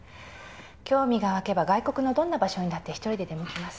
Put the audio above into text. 興味が湧けば外国のどんな場所にだって１人で出向きます。